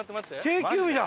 定休日だ。